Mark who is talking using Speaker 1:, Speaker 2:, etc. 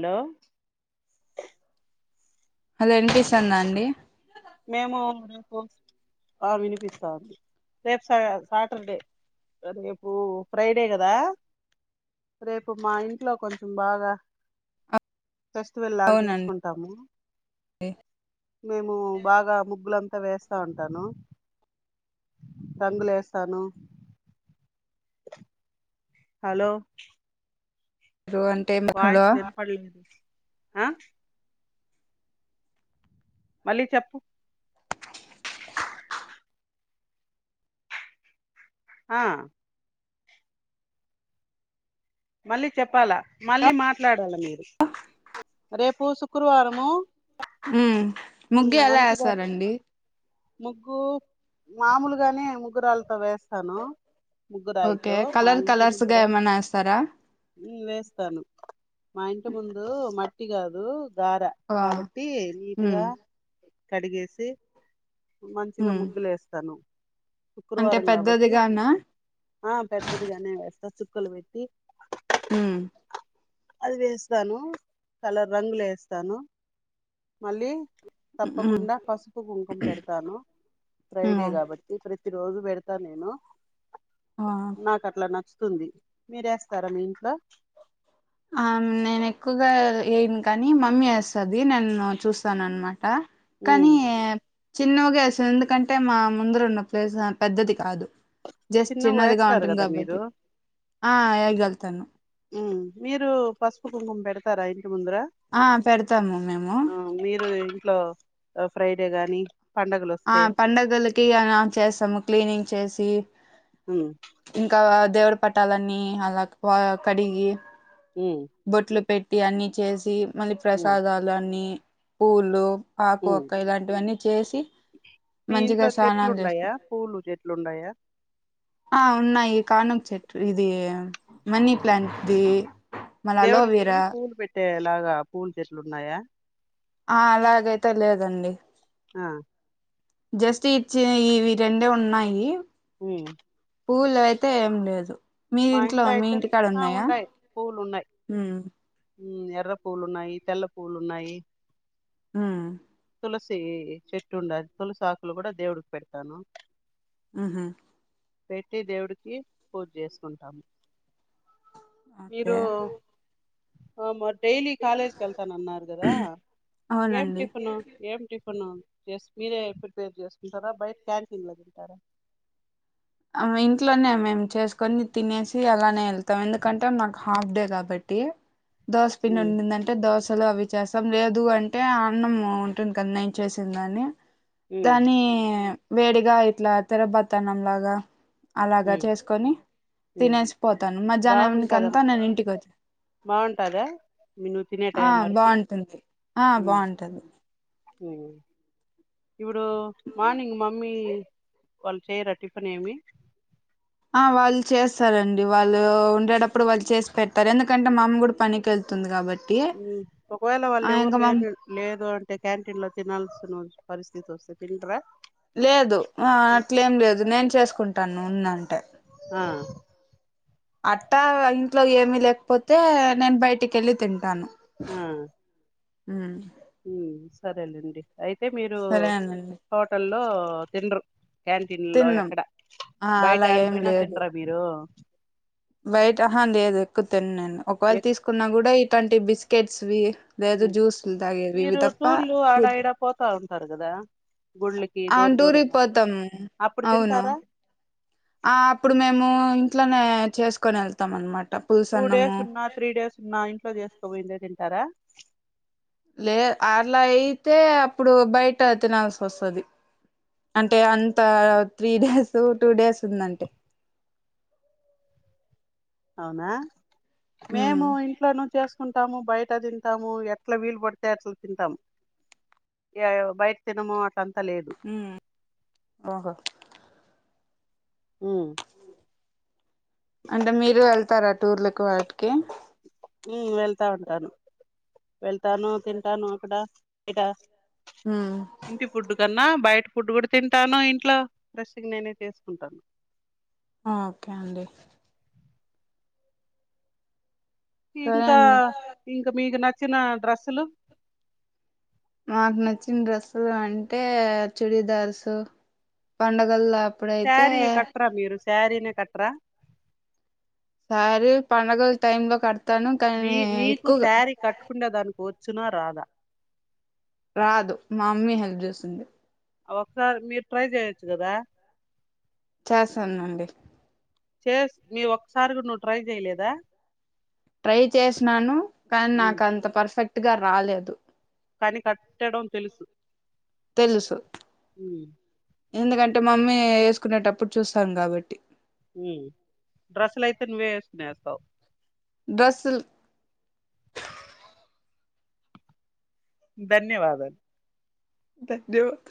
Speaker 1: Hello
Speaker 2: hello వినిపిస్తందా అండి
Speaker 1: మేము రేపు వత్తం ఆ వినిపిస్తాంది రేపు సా సాటర్డే రేపు ఫ్రైడే కదా రేపు మా ఇంట్లో కొంచెం బాగా ఫెస్టివల్ లాగ
Speaker 2: అవునండి
Speaker 1: చేసుకుంటాము మేం ఉమ్ బాగా ముగ్గులంతా వేస్తా ఉంటాను రంగులేసను హలో
Speaker 2: అంటే హలో
Speaker 1: వాయిసు వినపడలే ఆ మళ్ళీ చెప్పు ఆ మళ్ళీ చెప్పాలా మళ్ళీ మాట్లాడాలా మీరు రేపు శుక్రవారుము
Speaker 2: ఉమ్ ముగ్గు ఎలా
Speaker 1: మంచిగా
Speaker 2: ఎస్తారండి
Speaker 1: ముగ్గు మామూలుగానే ముగ్గురాళ్ళతో వేస్తాను ముగ్గురాయితో
Speaker 2: ఓకే
Speaker 1: మా
Speaker 2: కలర్
Speaker 1: ఇంటి
Speaker 2: కలర్స్ గా
Speaker 1: ముందర
Speaker 2: ఏమన్నా ఎస్తారా
Speaker 1: వేస్తాను మా ఇంటి ముందు మట్టి గాదు దార
Speaker 2: ఆ,
Speaker 1: కాబట్టి
Speaker 2: ఉమ్,
Speaker 1: నీటుగా కడిగేసి మంచిగా
Speaker 2: ఉమ్.
Speaker 1: ముగ్గులు వేస్తాను
Speaker 2: అంటే
Speaker 1: శుక్రవారం కాబట్టి
Speaker 2: పెద్దదిగానా
Speaker 1: ఆ పెద్దదిగానే వేస్తా చుక్కలు పెట్టి
Speaker 2: ఉమ్
Speaker 1: అది వేస్తాను కలర్ రంగులు వేస్తాను మళ్ళీ
Speaker 2: ఉమ్,
Speaker 1: తప్పకుండా పసుపు కుంకుమ పెడతాను
Speaker 2: ఉమ్.
Speaker 1: ఫ్రైడే కాబట్టి ప్రతి ప్రతి రోజు పెడతా నేను
Speaker 2: ఆ
Speaker 1: నాకు అట్లా నచ్చుతుంది మీరేస్త స్తారా మీ ఇంట్లో
Speaker 2: ఆ నేను ఎక్కువగా ఏయను కానీ మమ్మీ వేస్తది నేను చూస్తాను అన్నమాట కానీ
Speaker 1: ఉమ్,
Speaker 2: చిన్నగా ఏస్తాం ఎందుకంటే మా ముందర ఉన్న ప్లేస్ పెద్దది కాదు జస్ట్
Speaker 1: చిన్నగా
Speaker 2: చిన్నదిగా
Speaker 1: వేస్తారు
Speaker 2: ఉంటుంది
Speaker 1: కదా మీరు
Speaker 2: కాబట్టి ఆ వేగళ్తాను
Speaker 1: ఉమ్, మీరు పసుపు కుంకుమ పెడతారా ఇంటి ముందర
Speaker 2: ఆ పెడతాము మేము
Speaker 1: ఆ మీరు ఇంట్లో ఫ్రైడే గాని పండగలు
Speaker 2: ఆ
Speaker 1: వస్తే
Speaker 2: పండగలకి అలా చేస్తాము క్లీనింగ్ చేసి
Speaker 1: ఉమ్
Speaker 2: ఇంకా దేవుడి పట్టాలన్నీ అలా కడిగి
Speaker 1: ఉమ్
Speaker 2: బొట్లు పెట్టి అన్నీ చేసి మళ్ళీ
Speaker 1: ఉమ్
Speaker 2: ప్రసాదాలు అన్నీ పూలు ఆకు
Speaker 1: ఉమ్
Speaker 2: ఒక్క ఇలాంటివన్నీ చేసి
Speaker 1: మీ
Speaker 2: మంచిగా
Speaker 1: ఇంట్లో
Speaker 2: స్నానాలు చేసుకో
Speaker 1: చెట్లుండాయా పూలు చెట్లుండాయా
Speaker 2: ఆ ఉన్నాయి కానం చెట్టు ఇది మనీ ప్లాంట్ ది
Speaker 1: దేవుడికి పూలు పెట్టేలాగా పూల చెట్లు ఉన్నాయా
Speaker 2: ఆ అలాగైతే లేదండి
Speaker 1: ఆ
Speaker 2: జస్ట్ ఇచ్చిన ఇవి రెండే ఉన్నాయి
Speaker 1: ఉమ్
Speaker 2: పూలు అయితే ఏం లేదు మీది
Speaker 1: మా
Speaker 2: ఇంట్లో మీ
Speaker 1: అయితే
Speaker 2: ఇంటికాడ
Speaker 1: ఆ
Speaker 2: ఉన్నాయా
Speaker 1: ఉండాయి పూలు ఉన్నాయి
Speaker 2: ఉమ్
Speaker 1: ఎర్ర పూవ్వులు ఉన్నాయి తెల్ల పూవ్వులు ఉన్నాయి
Speaker 2: ఉమ్
Speaker 1: తులసి చెట్టు ఉండా తులసి ఆకులు కూడా దేవుడికి పెడతాను
Speaker 2: ఉహుమ్
Speaker 1: పెట్టి దేవుడికి పూజ చేసుకుంటాము
Speaker 2: ఒకే
Speaker 1: ఆ మరి డైలీ కాలేజ్ కి వెళ్ళాతా అన్నారు కదా ఏం
Speaker 2: అవునండి
Speaker 1: టిఫను ఏం టిఫిన్ మీరే ప్రిపేర్ చేసుకుంటారా బయట క్యాంటీన్ లో తింటారా
Speaker 2: ఆ ఇంట్లోనే మేము చేసుకొని తినేసి అలానే వెళ్తాం ఎందుకంటే నాకు హాఫ్ డే కాబట్టి కి దోశ పిండి
Speaker 1: ఉమ్
Speaker 2: ఉండిదంటే దోశ అసలు అవి చేస్తాం లేదు అంటే అన్నము ఉంటుంది కదా నేను చేసిందని
Speaker 1: ఉమ్
Speaker 2: దాని వేడిగా ఇట్లా తెరబతన్నం లాగా అలాగా
Speaker 1: ఉమ్
Speaker 2: చేసుకొని
Speaker 1: ఉమ్
Speaker 2: తినేసి పోతాను మధ్యాహ్నాకంతా నేను ఇంటికి వచ్చా
Speaker 1: బాగుంటందా నువ్వు తినే
Speaker 2: ఆ
Speaker 1: టైం వరకి
Speaker 2: బాగుంటుంది ఆ
Speaker 1: ఉమ్
Speaker 2: బాగుంటుంది
Speaker 1: హమ్ ఇప్పుడు మార్నింగ్ మమ్మీ వాళ్ళు చేయరా టిఫిన్ ఏమి
Speaker 2: ఆ వాళ్ళు చేస్తారండి వాళ్ళు ఉండేటప్పుడు వాళ్ళు చేసి పెట్టారు ఎందుకంటే మా అమ్మ కూడా పనికి వెళ్తుంది కాబట్టి
Speaker 1: ఒకవేళ వాళ్ళు
Speaker 2: ఆ
Speaker 1: ఎవరు
Speaker 2: ఇంకా మా
Speaker 1: లేరు లేరు లేదు అంటే క్యాంటీన్ లో తినాల్స్తున్నా పరిస్థితి వస్తే పిలుద్ర
Speaker 2: లేదు ఆ అట్లేం లేదు నేను చేసుకుంటాను ఉందంటే
Speaker 1: ఆ
Speaker 2: అట్టా ఇంట్లో ఏమి లేకపోతే నేను బయటికి వెళ్ళి తింటాను
Speaker 1: ఆ
Speaker 2: హ్మ్
Speaker 1: ఉ సరేలెండి అయితే మీరు
Speaker 2: సరేనండి
Speaker 1: హోటల్లో తిన్రు క్యాంటీన్ లో
Speaker 2: తిన్నాం
Speaker 1: ఎక్కడ
Speaker 2: ఆ
Speaker 1: బయట
Speaker 2: అలా ఏం
Speaker 1: ఆడిపోయినా
Speaker 2: లేదు
Speaker 1: తిండరా మీరు
Speaker 2: బయట అహా లేదు ఎక్కువతిను నేను ఒకవేళ, తీసుకున్నా కూడా ఇట్లలాంటి బిస్కెట్స్వి. లేదు జ్యూస్ల్ తాగెవి ఇవి తప్ప ఫ్రూట్
Speaker 1: రారు కదా గుళ్ళకి దూర
Speaker 2: అవును టూర్ కి
Speaker 1: దూరంగా
Speaker 2: పోతాము అవును ఆ అప్పుడు మేము ఇంట్లోనే చేసుకొని వెళ్తాం అనమాట
Speaker 1: టూ డేస్
Speaker 2: పులుసన్నము
Speaker 1: ఉన్నా త్రీ డేస్ ఉన్నా ఇంట్లో చేసుకోబయిందె తింటారా
Speaker 2: లే అట్ల అయితే అప్పుడు బయట తినాల్సి వస్తది అంటే అంత త్రీ డేస్ టూ డేస్ ఉందంటే
Speaker 1: మేము
Speaker 2: ఉమ్
Speaker 1: ఇంట్లోను చేసుకుంటా తింటాము బయట తింటాము ఎట్లా వీలు పడితే అట్లా తింటాము. యో బయట్ తినము అంత
Speaker 2: మ్ ఓహో
Speaker 1: మ్
Speaker 2: అంటే మీరు వెళ్తారా టూర్లలకు వాటికి
Speaker 1: ఉ వెళ్తా ఉంటాను వెళ్తాను తింటాను అక్కడ బట
Speaker 2: ఉమ్
Speaker 1: ఇంటి ఫుడ్డు కన్నా బయట ఫుడ్ కూడా తింటాను ఇంట్లో ర్రెస్గా నేనే చేసుకుంటాను.
Speaker 2: ఓకే అండి సరే
Speaker 1: ఇంకా
Speaker 2: అండి
Speaker 1: ఇంకా మీకు నచ్చిన డ్రెస్సులు
Speaker 2: మాకు నచ్చిన డ్రెస్సులు అంటే చుడీదార్సు పండగల
Speaker 1: శారీ కట్రా మీరు శారీనే కట్రా
Speaker 2: సారి పనగ టైమ్ లో కడత్
Speaker 1: మీ నీకు శారీ కట్టుకునేే దానికి వచ్చునా రాధా
Speaker 2: రాదు మమ్మీ హెల్ప్ చేస్తుంది
Speaker 1: ఒకసారి మీరు ట్రై చేయొచ్చు కదా
Speaker 2: చేస్తానునండి
Speaker 1: చే మీ ఒక్కసారి కూడా నువ్వు ట్రై చేయలేదా
Speaker 2: ట్రై చేసినాను కానీ నాకు అంత పర్ఫెక్ట్గా రాలేదు
Speaker 1: కాని కట్టడం తెలుసు
Speaker 2: తెలుసు
Speaker 1: ఉమ్,
Speaker 2: ఎందుకంటే మమ్మీ యేసుకునేటప్పుడు చూస్తాం గాబట్టి
Speaker 1: ఊ డ్రస్సులైతే నువ్వే వేసుకునే వేస్తవ్
Speaker 2: దసుల్
Speaker 1: ధన్యవాదాలు
Speaker 2: ధన్ దుడ్